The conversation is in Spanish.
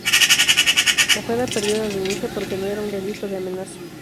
Ojeda perdió la denuncia porque no era un delito de amenaza.